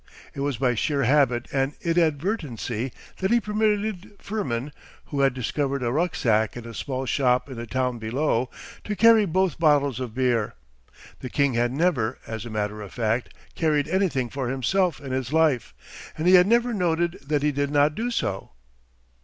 It was by sheer habit and inadvertency that he permitted Firmin, who had discovered a rucksack in a small shop in the town below, to carry both bottles of beer. The king had never, as a matter of fact, carried anything for himself in his life, and he had never noted that he did not do so.